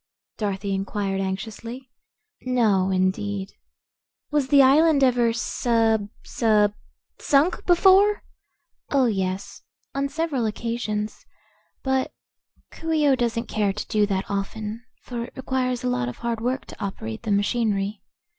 Dorothy inquired anxiously. "No, indeed." "Was the island ever sub sub sunk before?" "Oh, yes; on several occasions. But Coo ee oh doesn't care to do that often, for it requires a lot of hard work to operate the machinery.